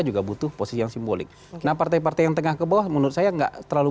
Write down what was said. juga butuh posisi yang simbolik nah partai partai yang tengah ke bawah menurut saya enggak terlalu